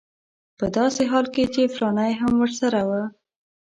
په داسې حال کې چې فلانی هم ورسره و.